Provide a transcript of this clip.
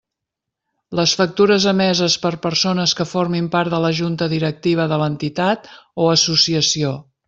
Les factures emeses per persones que formin part de la Junta directiva de l'entitat o associació.